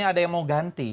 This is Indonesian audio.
ini ada yang mau ganti